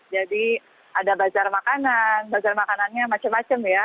jadi ada bazar makanan bazar makanannya macam macam ya